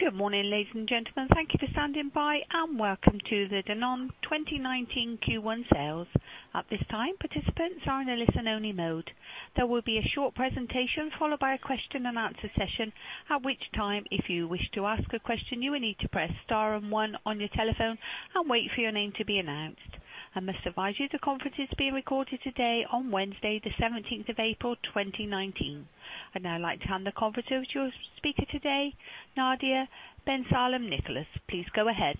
Good morning, ladies and gentlemen. Thank you for standing by, and welcome to the Danone 2019 Q1 sales. At this time, participants are in a listen-only mode. There will be a short presentation, followed by a question-and-answer session, at which time, if you wish to ask a question, you will need to press star 1 on your telephone and wait for your name to be announced. I must advise you, the conference is being recorded today, on Wednesday, the 17th of April, 2019. I'd now like to hand the conference to your speaker today, Nadia Ben Salem-Nicolas. Please go ahead.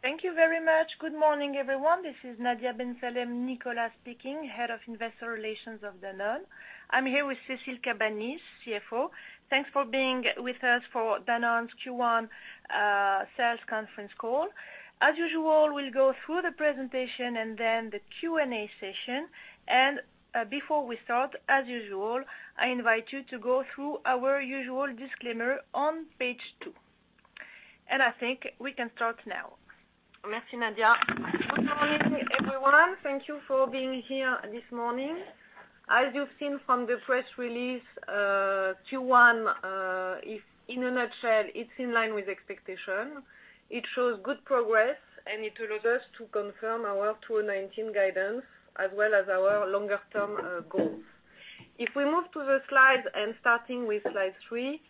Thank you very much. Good morning, everyone. This is Nadia Ben Salem-Nicolas speaking, Head of Investor Relations of Danone. I'm here with Cécile Cabanis, CFO. Thanks for being with us for Danone's Q1 sales conference call. As usual, we'll go through the presentation and then the Q&A session. Before we start, as usual, I invite you to go through our usual disclaimer on page 2. I think we can start now. Merci, Nadia. Good morning, everyone. Thank you for being here this morning. As you've seen from the press release, Q1, in a nutshell, it's in line with expectation. It shows good progress, and it allows us to confirm our 2019 guidance, as well as our longer-term goals. If we move to the slides, starting with slide 3,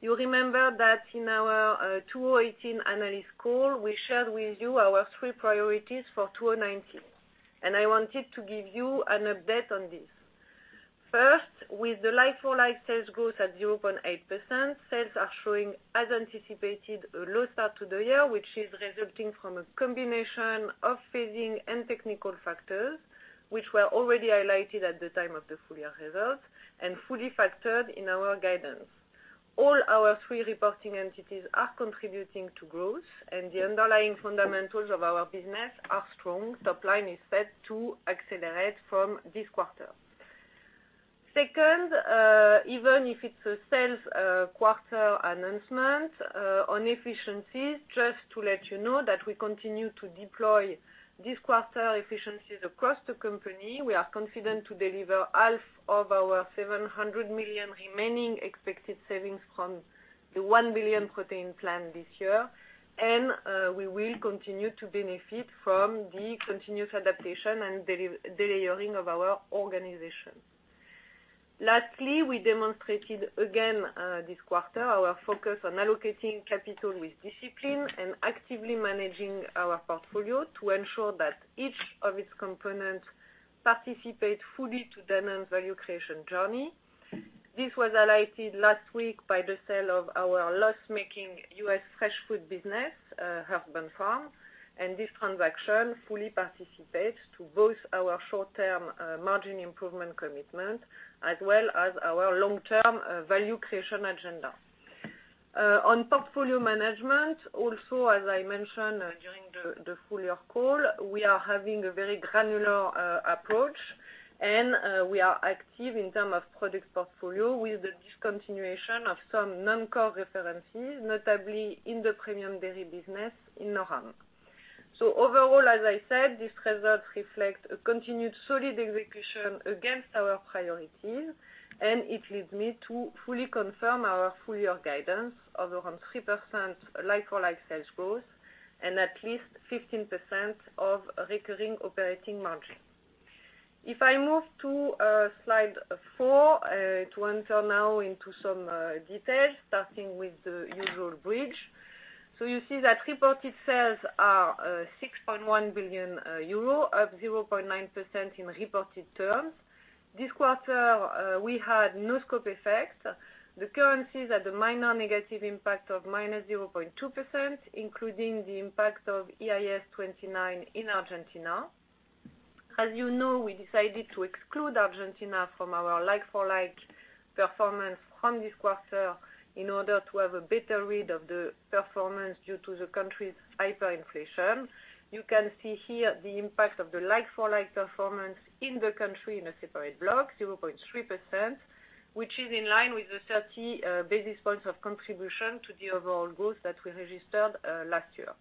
you remember that in our 2018 analyst call, we shared with you our 3 priorities for 2019, I wanted to give you an update on this. First, with the like-for-like sales growth at 0.8%, sales are showing, as anticipated, a low start to the year, which is resulting from a combination of phasing and technical factors, which were already highlighted at the time of the full-year results and fully factored in our guidance. All our 3 reporting entities are contributing to growth, the underlying fundamentals of our business are strong. Topline is set to accelerate from this quarter. Second, even if it's a sales quarter announcement, on efficiencies, just to let you know that we continue to deploy this quarter efficiencies across the company. We are confident to deliver half of our 700 million remaining expected savings from the 1 billion Protein program this year, we will continue to benefit from the continuous adaptation and delayering of our organization. Lastly, we demonstrated again, this quarter, our focus on allocating capital with discipline and actively managing our portfolio to ensure that each of its components participate fully to Danone's value creation journey. This was highlighted last week by the sale of our loss-making U.S. fresh food business, Earthbound Farm, this transaction fully participates to both our short-term margin improvement commitment, as well as our long-term value creation agenda. On portfolio management, also, as I mentioned during the full-year call, we are having a very granular approach, and we are active in terms of product portfolio with the discontinuation of some non-core references, notably in the premium dairy business in NorAm. Overall, as I said, this result reflects a continued solid execution against our priorities, and it leads me to fully confirm our full-year guidance of around 3% like-for-like sales growth and at least 15% of recurring operating margin. I move to slide four, to enter now into some details, starting with the usual bridge. You see that reported sales are €6.1 billion, up 0.9% in reported terms. This quarter, we had no scope effect. The currencies had a minor negative impact of -0.2%, including the impact of IAS 29 in Argentina. As you know, we decided to exclude Argentina from our like-for-like performance from this quarter in order to have a better read of the performance due to the country's hyperinflation. You can see here the impact of the like-for-like performance in the country in a separate block, 0.3%, which is in line with the 30 basis points of contribution to the overall growth that we registered last year.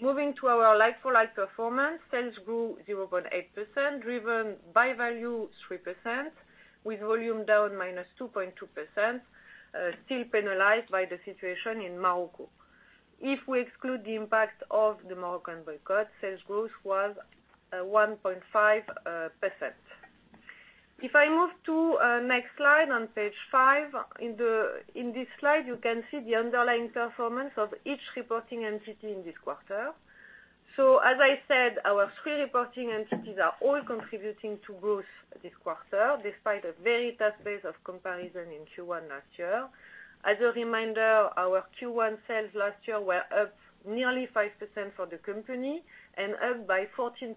Moving to our like-for-like performance, sales grew 0.8%, driven by value 3%, with volume down -2.2%, still penalized by the situation in Morocco. We exclude the impact of the Moroccan boycott, sales growth was 1.5%. I move to next slide, on page five. In this slide, you can see the underlying performance of each reporting entity in this quarter. As I said, our three reporting entities are all contributing to growth this quarter, despite a very tough base of comparison in Q1 last year. As a reminder, our Q1 sales last year were up nearly 5% for the company and up by 14%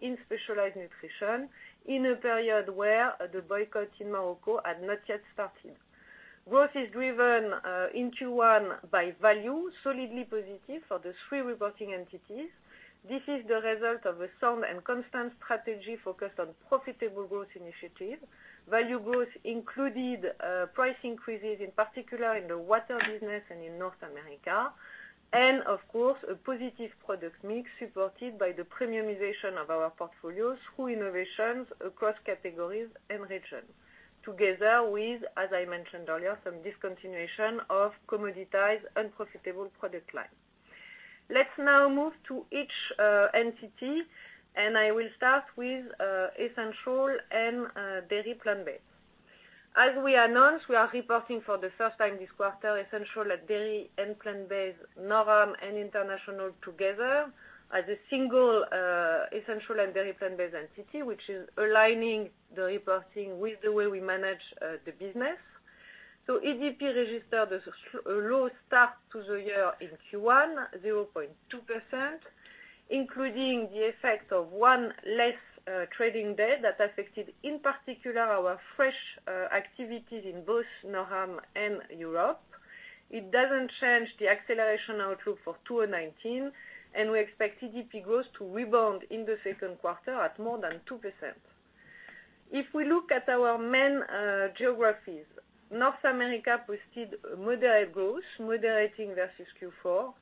in Specialized Nutrition in a period where the boycott in Morocco had not yet started. Growth is driven in Q1 by value, solidly positive for the three reporting entities. This is the result of a sound and constant strategy focused on profitable growth initiatives. Value growth included price increases, in particular in the water business and in North America, and of course, a positive product mix supported by the premiumization of our portfolio through innovations across categories and regions. Together with, as I mentioned earlier, some discontinuation of commoditized, unprofitable product lines. Let's now move to each entity, and I will start with Essential Dairy and Plant-Based. As we announced, we are reporting for the first time this quarter, Essential Dairy and Plant-Based, NorAm, and International together as a single Essential Dairy and Plant-Based entity, which is aligning the reporting with the way we manage the business. EDP registered as a low start to the year in Q1, 0.2%, including the effect of one less trading day that affected, in particular, our fresh activities in both NorAm and Europe. It doesn't change the acceleration outlook for 2019, and we expect EDP growth to rebound in the second quarter at more than 2%. We look at our main geographies, North America posted moderate growth, moderating versus Q4.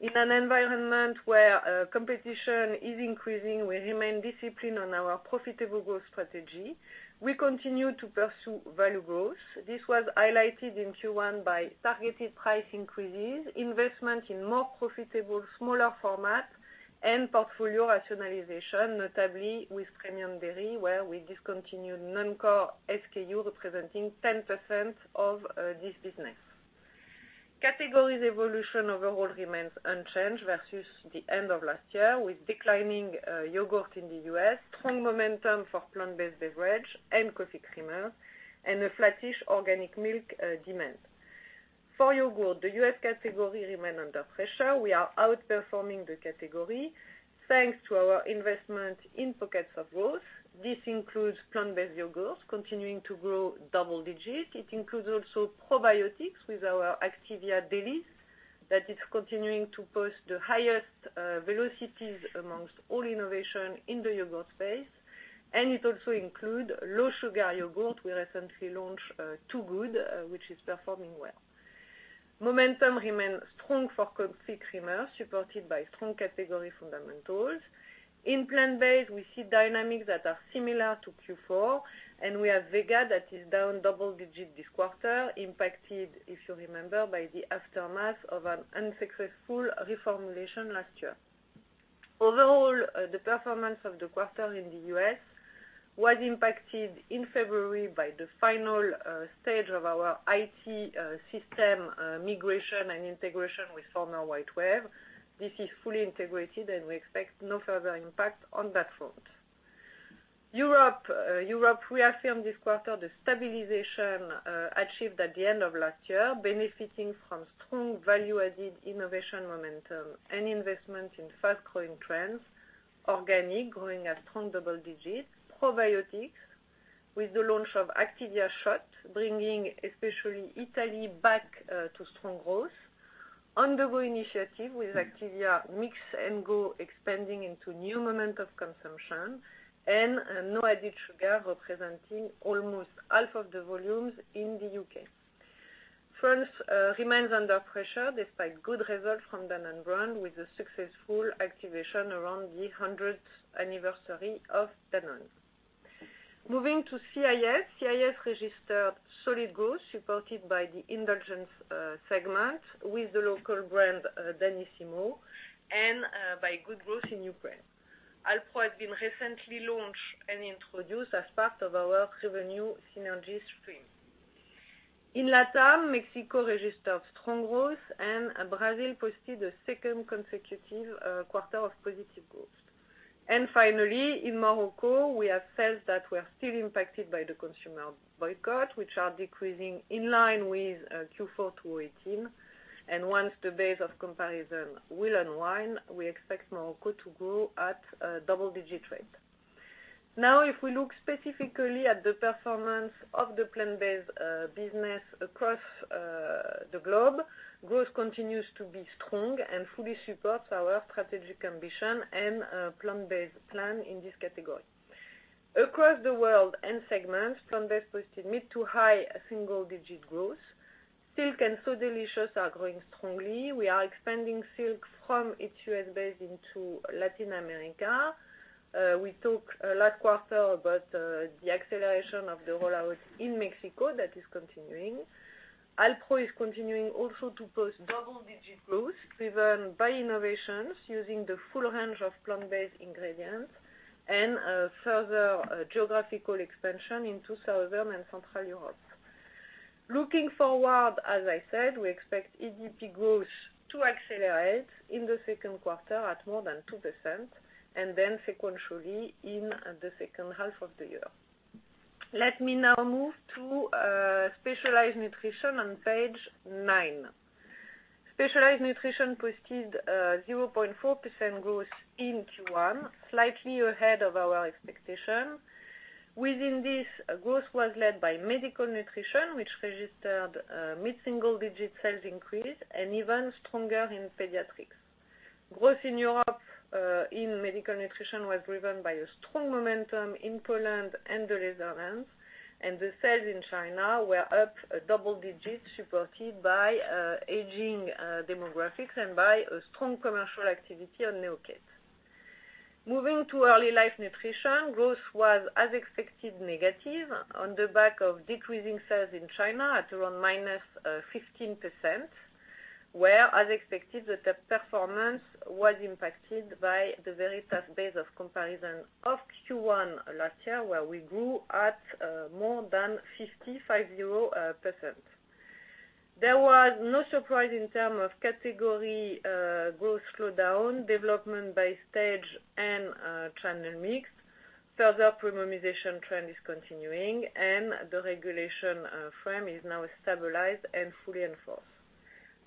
In an environment where competition is increasing, we remain disciplined on our profitable growth strategy. We continue to pursue value growth. This was highlighted in Q1 by targeted price increases, investment in more profitable, smaller format, and portfolio rationalization, notably with premium dairy, where we discontinued non-core SKU, representing 10% of this business. Categories evolution overall remains unchanged versus the end of last year, with declining yogurt in the U.S., strong momentum for plant-based beverage and coffee creamer, and a flattish organic milk demand. For yogurt, the U.S. category remains under pressure. We are outperforming the category thanks to our investment in pockets of growth. This includes plant-based yogurt continuing to grow double digits. It includes also probiotics with our Activia Dailies that is continuing to post the highest velocities amongst all innovation in the yogurt space. It also includes low sugar yogurt. We recently launched Two Good, which is performing well. Momentum remains strong for coffee creamer, supported by strong category fundamentals. In plant-based, we see dynamics that are similar to Q4, and we have Vega that is down double digits this quarter, impacted, if you remember, by the aftermath of an unsuccessful reformulation last year. Overall, the performance of the quarter in the U.S. was impacted in February by the final stage of our IT system migration and integration with former WhiteWave. This is fully integrated, and we expect no further impact on that front. Europe, we affirm this quarter the stabilization achieved at the end of last year, benefiting from strong value-added innovation momentum and investment in fast-growing trends, organic, growing at strong double digits, probiotics with the launch of Activia Shot, bringing especially Italy back to strong growth, On-The-Go Initiative with Activia Mix & Go expanding into new moment of consumption, and no added sugar representing almost half of the volumes in the U.K. France remains under pressure despite good results from Danone brand, with a successful activation around the 100th anniversary of Danone. Moving to CIS. CIS registered solid growth supported by the indulgence segment with the local brand Danissimo and by good growth in Ukraine. Alpro has been recently launched and introduced as part of our revenue synergy stream. In LATAM, Mexico registered strong growth, and Brazil posted a second consecutive quarter of positive growth. Finally, in Morocco, we have sales that were still impacted by the consumer boycott, which are decreasing in line with Q4 2018. Once the base of comparison will unwind, we expect Morocco to grow at a double-digit rate. If we look specifically at the performance of the plant-based business across the globe, growth continues to be strong and fully supports our strategic ambition and plant-based plan in this category. Across the world and segments, plant-based posted mid to high single-digit growth. Silk and So Delicious are growing strongly. We are expanding Silk from its U.S. base into Latin America. We talked last quarter about the acceleration of the rollout in Mexico. That is continuing. Alpro is continuing also to post double-digit growth driven by innovations using the full range of plant-based ingredients and a further geographical expansion into Southern and Central Europe. Looking forward, as I said, we expect EDP growth to accelerate in the second quarter at more than 2% and then sequentially in the second half of the year. Let me now move to Specialized Nutrition on page nine. Specialized Nutrition posted 0.4% growth in Q1, slightly ahead of our expectation. Within this, growth was led by Medical Nutrition, which registered a mid-single-digit sales increase and even stronger in pediatrics. Growth in Europe in Medical Nutrition was driven by a strong momentum in Poland and the Netherlands, and the sales in China were up double digits, supported by aging demographics and by a strong commercial activity on Neocate. Moving to Early Life Nutrition, growth was, as expected, negative on the back of decreasing sales in China at around minus 15%, where, as expected, the performance was impacted by the very tough base of comparison of Q1 last year, where we grew at more than 55%. There was no surprise in terms of category growth slowdown, development by stage and channel mix. Further premiumization trend is continuing, and the regulation frame is now stabilized and fully enforced.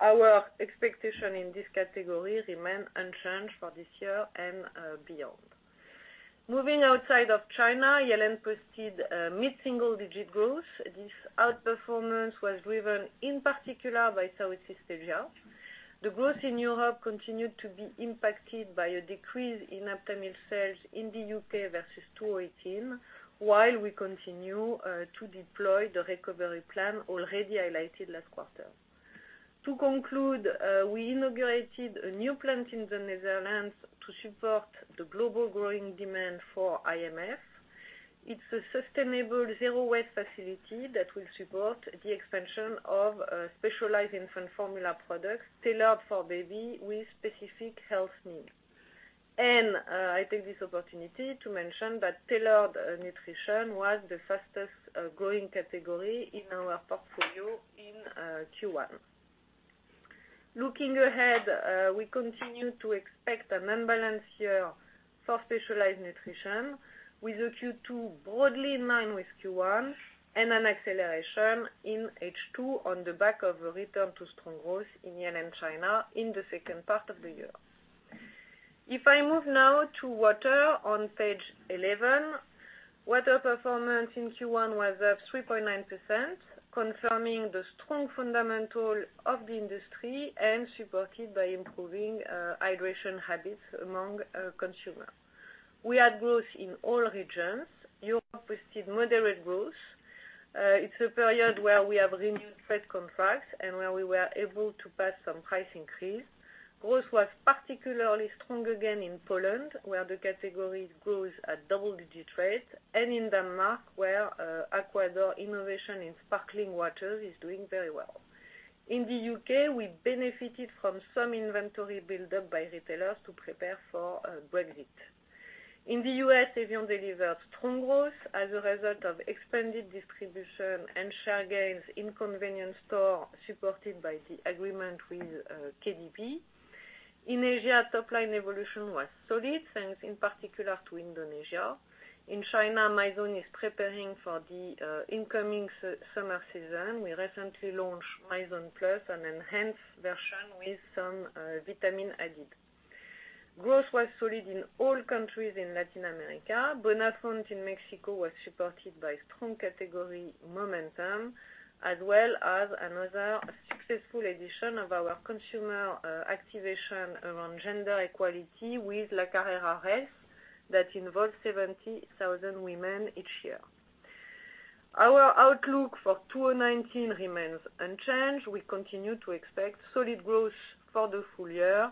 Our expectation in this category remains unchanged for this year and beyond. Moving outside of China, ELN posted a mid-single-digit growth. Looking ahead, we continue to expect an unbalanced year for Specialized Nutrition, with a Q2 broadly in line with Q1, and an acceleration in H2 on the back of a return to strong growth in ELN China in the second part of the year. If I move now to Water on page 11. Water performance in Q1 was up 3.9%, confirming the strong fundamental of the industry and supported by improving hydration habits among consumer. We had growth in all regions. Europe received moderate growth. It's a period where we have renewed trade contracts and where we were able to pass some price increase. Growth was particularly strong again in Poland, where the category grows at double-digit rate, and in Denmark, where Aqua d'Or innovation in sparkling waters is doing very well. In the U.K., we benefited from some inventory buildup by retailers to prepare for Brexit. In the U.S., evian delivered strong growth as a result of expanded distribution and share gains in convenience store, supported by the agreement with KDP. In Asia, top-line evolution was solid, thanks in particular to Indonesia. In China, Mizone is preparing for the incoming summer season. We recently launched Mizone+, an enhanced version with some vitamin added. Growth was solid in all countries in Latin America. Bonafont in Mexico was supported by strong category momentum, as well as another successful edition of our consumer activation around gender equality with La Carrera Rosa that involves 70,000 women each year. Our outlook for 2019 remains unchanged. We continue to expect solid growth for the full year,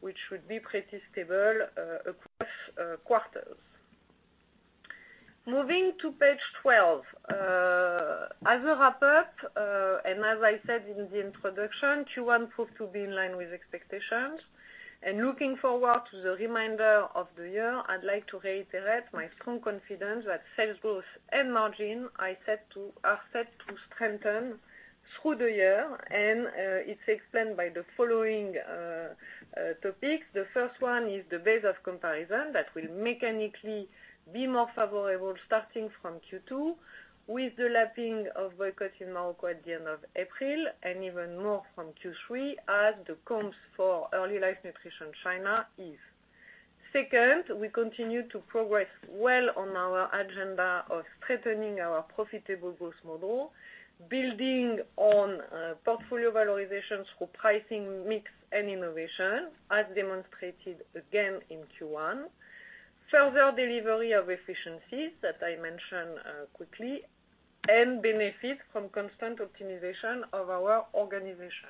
which should be pretty stable across quarters. Moving to page 12. As a wrap-up, as I said in the introduction, Q1 proved to be in line with expectations. Looking forward to the remainder of the year, I'd like to reiterate my strong confidence that sales growth and margin are set to strengthen through the year, and it's explained by the following topics. The first is the base of comparison that will mechanically be more favorable starting from Q2, with the lapping of boycott in Morocco at the end of April, and even more from Q3 as the comps for Early Life Nutrition China ease. Second, we continue to progress well on our agenda of strengthening our profitable growth model, building on portfolio valorization through pricing, mix, and innovation, as demonstrated again in Q1. Further delivery of efficiencies that I mentioned quickly and benefit from constant optimization of our organization.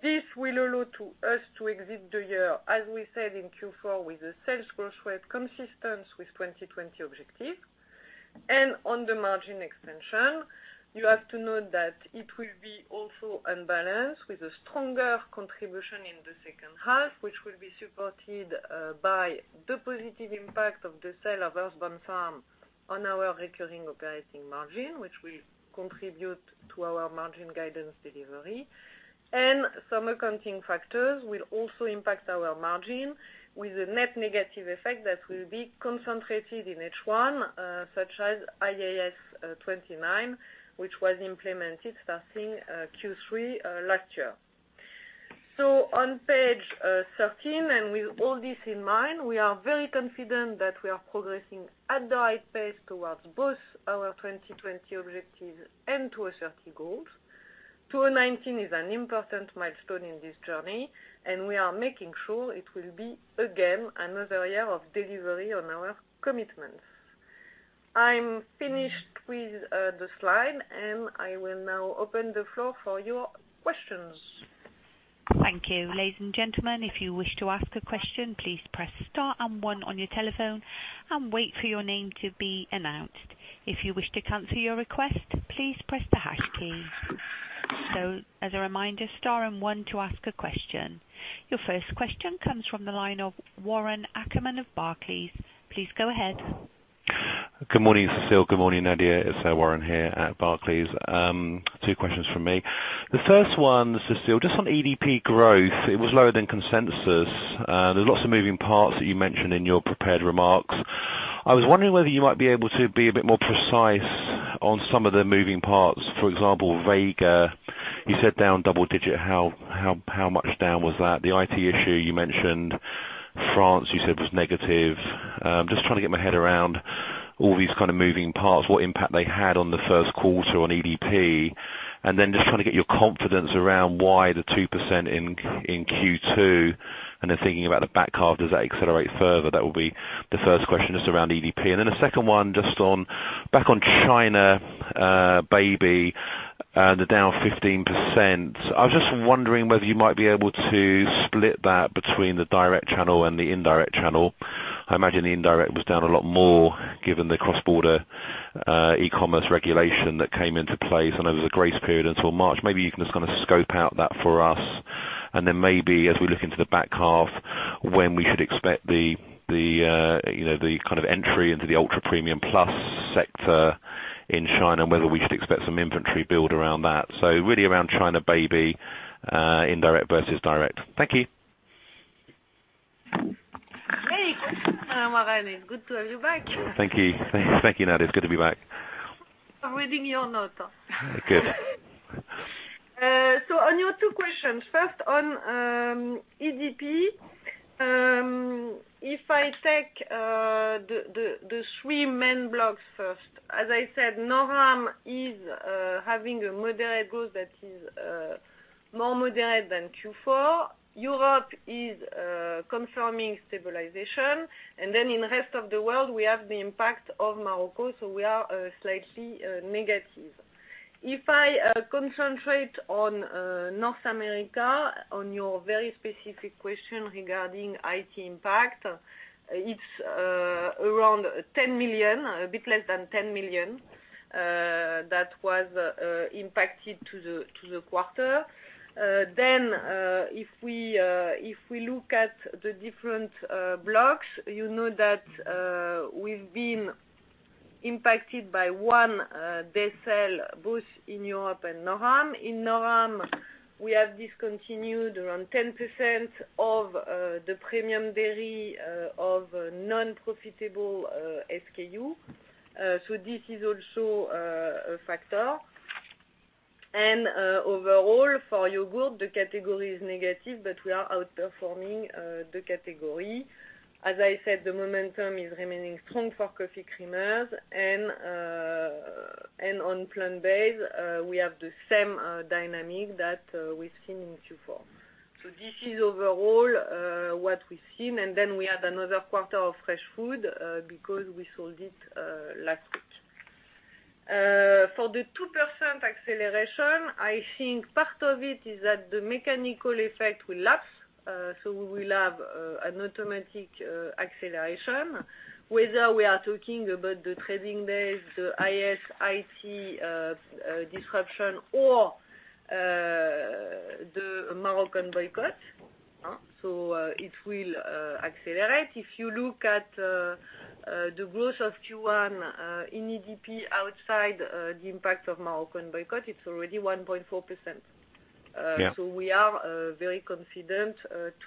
This will allow us to exit the year, as we said in Q4, with a sales growth rate consistent with 2020 objective. On the margin extension, you have to note that it will be also unbalanced with a stronger contribution in the second half, which will be supported by the positive impact of the sale of Earthbound Farm on our recurring operating margin, which will contribute to our margin guidance delivery. Some accounting factors will also impact our margin with a net negative effect that will be concentrated in H1, such as IAS 29, which was implemented starting Q3 last year. On page 13, and with all this in mind, we are very confident that we are progressing at the right pace towards both our 2020 objectives and to our 2030 goals. 2019 is an important milestone in this journey, and we are making sure it will be, again, another year of delivery on our commitments. I'm finished with the slide, and I will now open the floor for your questions. Thank you. Ladies and gentlemen, if you wish to ask a question, please press star and one on your telephone and wait for your name to be announced. If you wish to cancel your request, please press the hash key. As a reminder, star and one to ask a question. Your first question comes from the line of Warren Ackerman of Barclays. Please go ahead. Good morning, Cécile. Good morning, Nadia. It's Warren here at Barclays. Two questions from me. The first one, Cécile, just on EDP growth. It was lower than consensus. There's lots of moving parts that you mentioned in your prepared remarks. I was wondering whether you might be able to be a bit more precise on some of the moving parts. For example, Vega, you said down double digit. How much down was that? The IT issue you mentioned. France, you said was negative. Just trying to get my head around all these kind of moving parts, what impact they had on the first quarter on EDP, and then just trying to get your confidence around why the 2% in Q2, and then thinking about the back half, does that accelerate further? That would be the first question, just around EDP. A second one, back on China, Baby, the down 15%. I was just wondering whether you might be able to split that between the direct channel and the indirect channel. I imagine the indirect was down a lot more given the cross-border e-commerce regulation that came into play. I know there's a grace period until March. Maybe you can just kind of scope out that for us, and then maybe as we look into the back half, when we should expect the kind of entry into the ultra-premium plus sector in China, and whether we should expect some inventory build around that. Really around China, Baby, indirect versus direct. Thank you. Hey, Warren. It's good to have you back. Thank you, Nadia. It's good to be back. I am reading your note. Good. On your two questions, first on EDP. I take the three main blocks first. As I said, NorAm is having a moderate growth that is more moderate than Q4. Europe is confirming stabilization. In the rest of the world, we have the impact of Morocco, we are slightly negative. I concentrate on North America, on your very specific question regarding IT impact, it is around 10 million, a bit less than 10 million, that was impacted to the quarter. If we look at the different blocks, you know that we have been impacted by one decel, both in Europe and NorAm. In NorAm, we have discontinued around 10% of the premium dairy of non-profitable SKU. This is also a factor. Overall, for yogurt, the category is negative, but we are outperforming the category. As I said, the momentum is remaining strong for coffee creamers, and on plant-based, we have the same dynamic that we have seen in Q4. This is overall what we have seen. We add another quarter of fresh food, because we sold it last week. For the 2% acceleration, I think part of it is that the mechanical effect will lapse, we will have an automatic acceleration. Whether we are talking about the trading days, the IS, IT disruption or the Moroccan boycott. It will accelerate. If you look at the growth of Q1 in EDP outside the impact of Moroccan boycott, it is already 1.4%. Yeah. We are very confident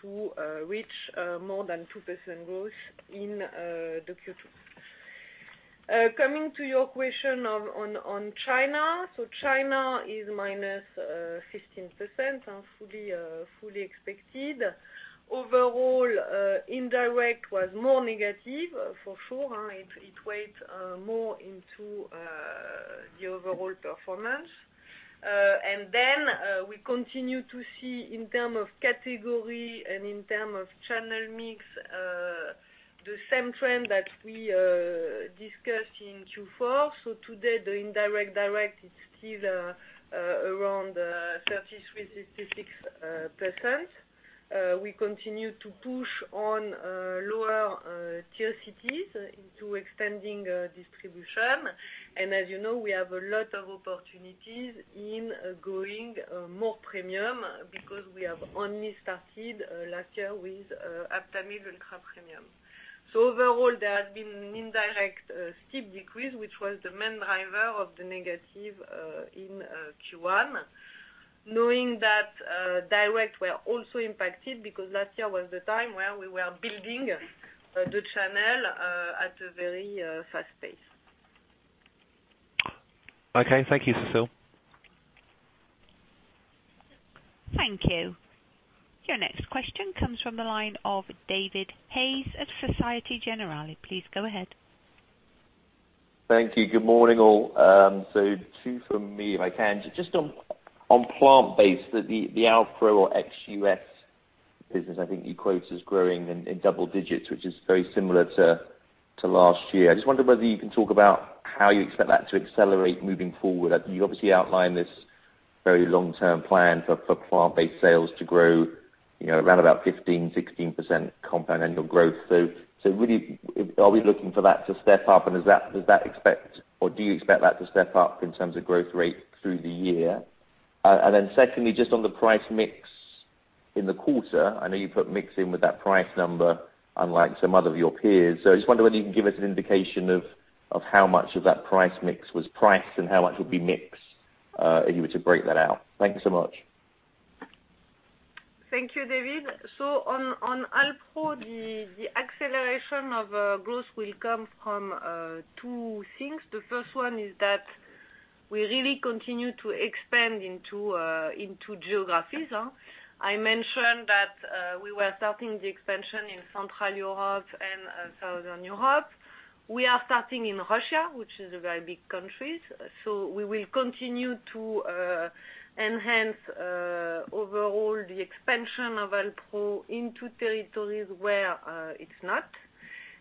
to reach more than 2% growth in the Q2. Coming to your question on China. China is -15%, fully expected. Overall, indirect was more negative, for sure. It weighs more into the overall performance. We continue to see, in term of category and in term of channel mix, the same trend that we discussed in Q4. Today, the indirect/direct is still around 33%-36%. We continue to push on lower tier cities into extending distribution. As you know, we have a lot of opportunities in going more premium because we have only started last year with Aptamil Ultra Premium. Overall, there has been an indirect steep decrease, which was the main driver of the negative in Q1. Knowing that direct were also impacted because last year was the time where we were building the channel at a very fast pace. Okay. Thank you, Cécile. Thank you. Your next question comes from the line of David Hayes at Societe Generale. Please go ahead. Thank you. Good morning, all. Two from me, if I can. Just on plant-based, the Alpro or ex-U.S. Business, I think you quote as growing in double digits, which is very similar to last year. I just wonder whether you can talk about how you expect that to accelerate moving forward. You obviously outlined this very long-term plan for plant-based sales to grow around about 15%-16% compound annual growth. Are we looking for that to step up? Does that expect, or do you expect that to step up in terms of growth rate through the year? Secondly, just on the price mix in the quarter, I know you put mix in with that price number, unlike some other of your peers. I just wonder whether you can give us an indication of how much of that price mix was price and how much would be mix, if you were to break that out. Thank you so much. Thank you, David. On Alpro, the acceleration of growth will come from two things. The first one is that we really continue to expand into geographies. I mentioned that we were starting the expansion in Central Europe and Southern Europe. We are starting in Russia, which is a very big country. We will continue to enhance, overall, the expansion of Alpro into territories where it's not.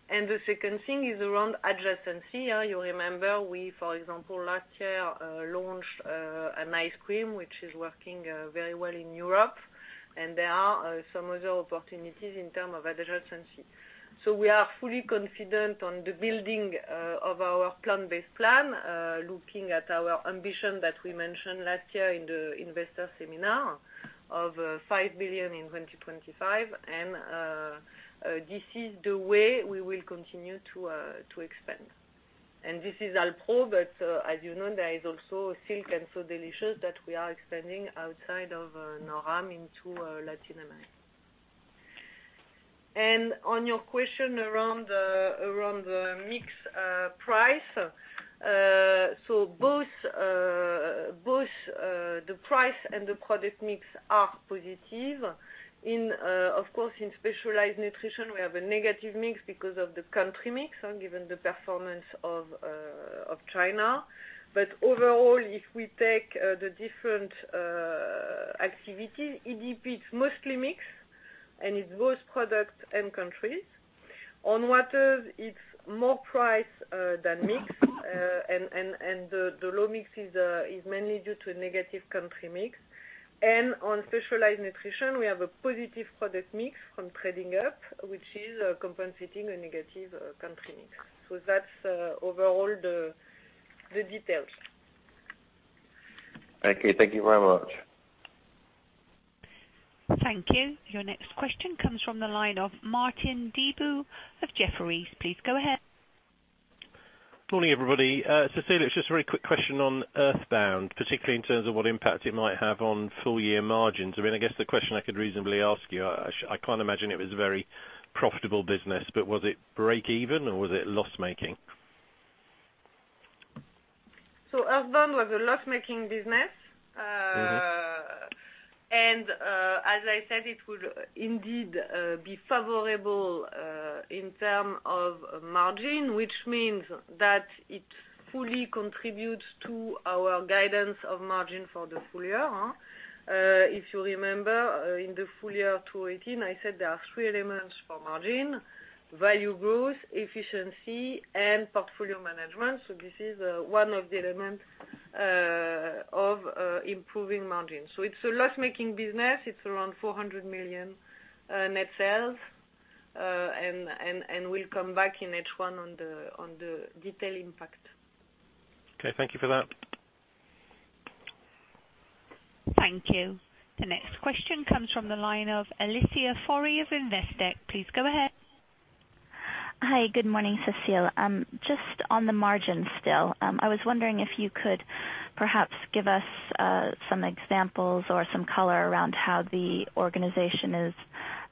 The second thing is around adjacency. You remember we, for example, last year, launched an ice cream, which is working very well in Europe, and there are some other opportunities in terms of adjacency. We are fully confident on the building of our plant-based plan, looking at our ambition that we mentioned last year in the investor seminar of 5 billion in 2025, and this is the way we will continue to expand. This is Alpro, but as you know, there is also Silk and So Delicious that we are expanding outside of NorAm into Latin America. On your question around the mix price. Both the price and the product mix are positive. Of course, in Specialized Nutrition, we have a negative mix because of the country mix, given the performance of China. Overall, if we take the different activities, EDP, it's mostly mix, and it's both products and countries. On waters, it's more price than mix. The low mix is mainly due to a negative country mix. On Specialized Nutrition, we have a positive product mix from trading up, which is compensating a negative country mix. That's overall the details. Thank you. Thank you very much. Thank you. Your next question comes from the line of Martin Deboo of Jefferies. Please go ahead. Morning, everybody. Cécile, it's just a very quick question on Earthbound, particularly in terms of what impact it might have on full-year margins. I mean, I guess the question I could reasonably ask you, I can't imagine it was a very profitable business, but was it break even or was it loss-making? Earthbound was a loss-making business. As I said, it would indeed be favorable in term of margin, which means that it fully contributes to our guidance of margin for the full-year. If you remember, in the full-year 2018, I said there are three elements for margin: value growth, efficiency, and portfolio management. This is one of the elements of improving margin. It's a loss-making business. It's around 400 million net sales. We'll come back in H1 on the detailed impact. Okay. Thank you for that. Thank you. The next question comes from the line of Alicia Forry of Investec. Please go ahead. Hi. Good morning, Cécile. Just on the margin still. I was wondering if you could perhaps give us some examples or some color around how the organization is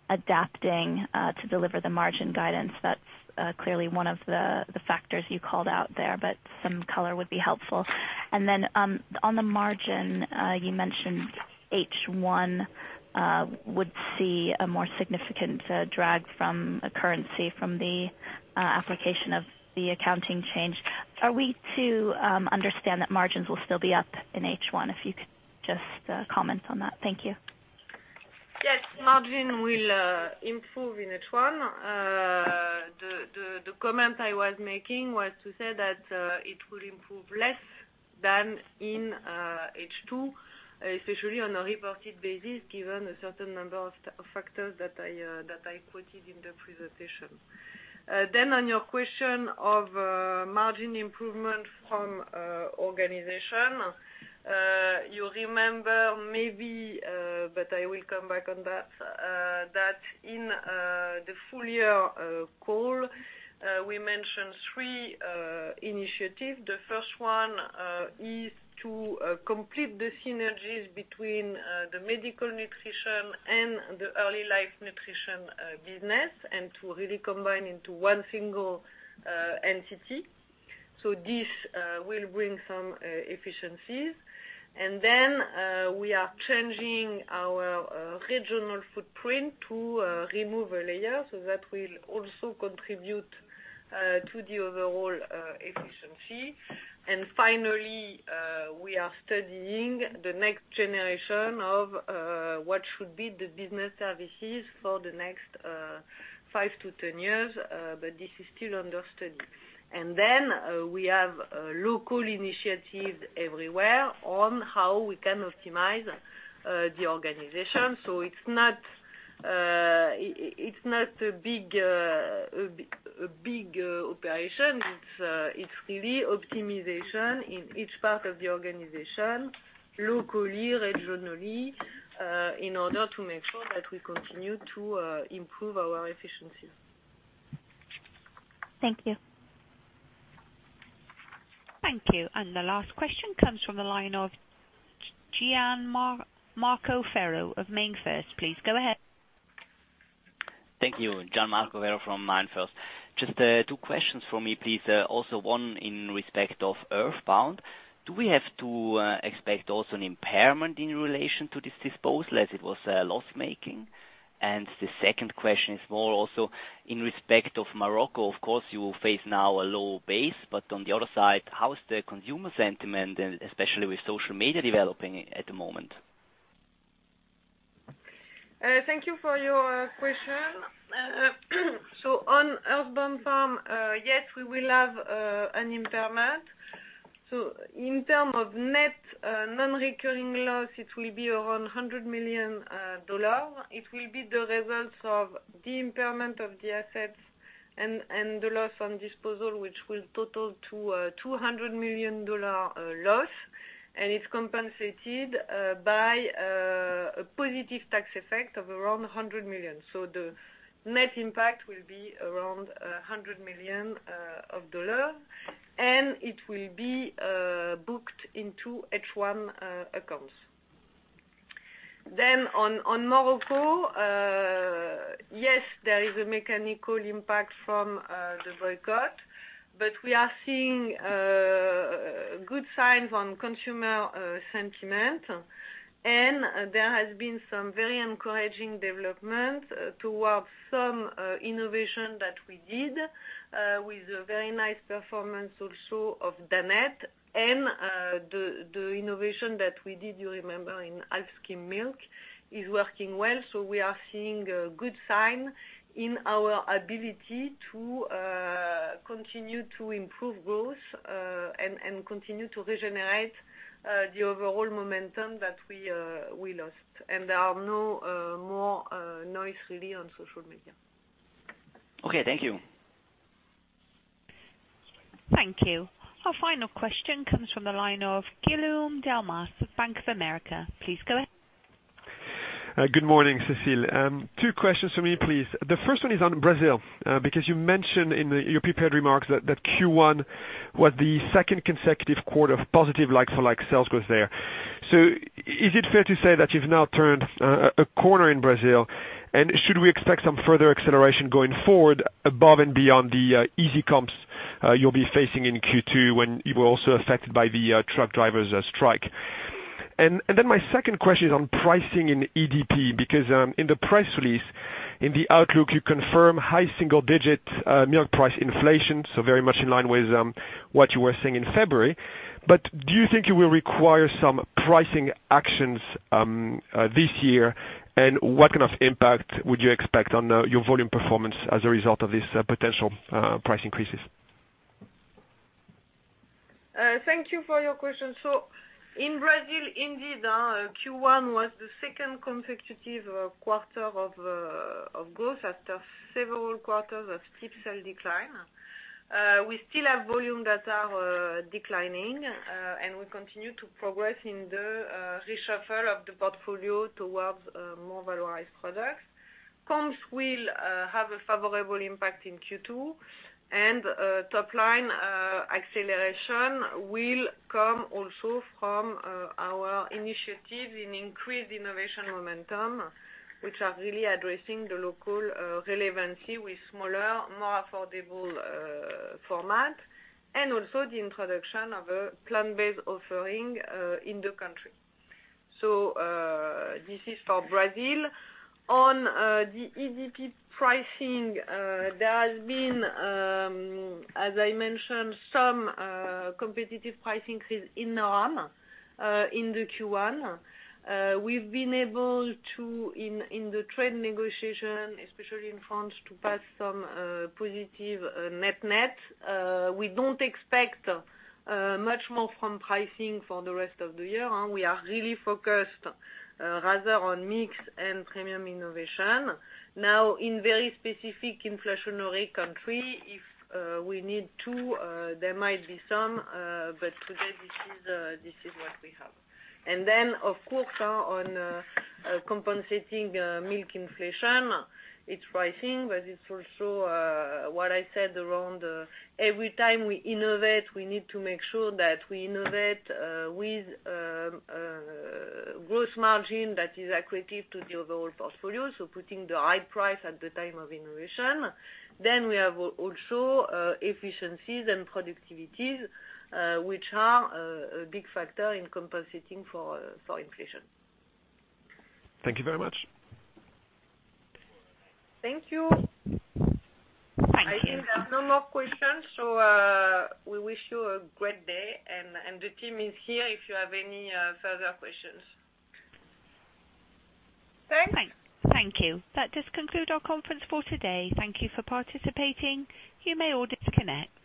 adapting to deliver the margin guidance. That's clearly one of the factors you called out there, but some color would be helpful. On the margin, you mentioned H1 would see a more significant drag from a currency, from the application of the accounting change. Are we to understand that margins will still be up in H1? If you could just comment on that. Thank you. Yes, margin will improve in H1. The comment I was making was to say that it will improve less than in H2, especially on a reported basis, given a certain number of factors that I quoted in the presentation. On your question of margin improvement from organization. You remember maybe, but I will come back on that in the full-year call, we mentioned three initiatives. The first one is to complete the synergies between the Medical Nutrition and the Early Life Nutrition business and to really combine into one single entity. This will bring some efficiencies. We are changing our regional footprint to remove a layer, so that will also contribute to the overall efficiency. Finally, we are studying the next generation of what should be the business services for the next five to 10 years, but this is still under study. We have local initiatives everywhere on how we can optimize the organization. It's not a big operation. It's really optimization in each part of the organization, locally, regionally, in order to make sure that we continue to improve our efficiencies. Thank you. Thank you. The last question comes from the line of Gian Marco Werro of MainFirst. Please go ahead. Thank you. Gian Marco Werro from MainFirst. Just two questions from me, please. Also, one in respect of Earthbound. Do we have to expect also an impairment in relation to this disposal as it was loss-making? The second question is more also in respect of Morocco, of course, you will face now a low base, but on the other side, how is the consumer sentiment, especially with social media developing at the moment? Thank you for your question. On Earthbound Farm, yes, we will have an impairment. In term of net non-recurring loss, it will be around $100 million. It will be the results of the impairment of the assets and the loss on disposal, which will total to a $200 million loss, and it's compensated by a positive tax effect of around $100 million. The net impact will be around $100 million, and it will be booked into H1 accounts. On Morocco, yes, there is a mechanical impact from the boycott, but we are seeing good signs on consumer sentiment, and there has been some very encouraging development towards some innovation that we did, with a very nice performance also of Danette. The innovation that we did, you remember, in half-skim milk, is working well. We are seeing a good sign in our ability to continue to improve growth, continue to regenerate the overall momentum that we lost. There are no more noise really on social media. Okay. Thank you. Thank you. Our final question comes from the line of Guillaume Delmas of Bank of America. Please go ahead. Good morning, Cécile. Two questions from me, please. The first one is on Brazil, because you mentioned in your prepared remarks that Q1 was the second consecutive quarter of positive like-for-like sales growth there. Is it fair to say that you've now turned a corner in Brazil? Should we expect some further acceleration going forward above and beyond the easy comps you'll be facing in Q2, when you were also affected by the truck drivers strike? My second question is on pricing in EDP, because, in the press release, in the outlook, you confirm high single-digit milk price inflation, very much in line with what you were saying in February. Do you think you will require some pricing actions this year? What kind of impact would you expect on your volume performance as a result of these potential price increases? Thank you for your question. In Brazil, indeed, Q1 was the second consecutive quarter of growth after several quarters of steep sales decline. We still have volume that are declining, and we continue to progress in the reshuffle of the portfolio towards more valorized products. Comps will have a favorable impact in Q2. Top-line acceleration will come also from our initiative in increased innovation momentum, which are really addressing the local relevancy with smaller, more affordable format, and also the introduction of a plant-based offering in the country. This is for Brazil. On the EDP pricing, there has been, as I mentioned, some competitive pricing increase in NorAm, in the Q1. We've been able to, in the trade negotiation, especially in France, to pass some positive net-net. We don't expect much more from pricing for the rest of the year. We are really focused rather on mix and premium innovation. Now, in very specific inflationary country, if we need to, there might be some, but today this is what we have. Of course, on compensating milk inflation, it's rising, but it's also what I said around every time we innovate, we need to make sure that we innovate with gross margin that is accretive to the overall portfolio, putting the right price at the time of innovation. We have also efficiencies and productivities, which are a big factor in compensating for inflation. Thank you very much. Thank you. Thank you. I think there are no more questions, so we wish you a great day, and the team is here if you have any further questions. Thanks. Thank you. That does conclude our conference for today. Thank you for participating. You may all disconnect.